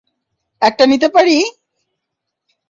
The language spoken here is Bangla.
একটা নিতে পারি?